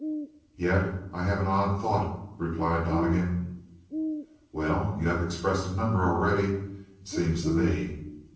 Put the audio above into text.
"Yet I have an odd thought," replied Donnegan. "Well? You have expressed a number already, it seems to me."